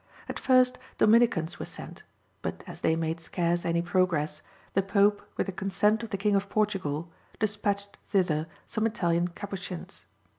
At first Dominicans were sent; but as they made scarce any progress, the Pope, with the consent of the King of Portugal, despatched thither some Italian Capuchins.